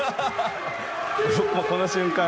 この瞬間